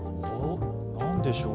何でしょう。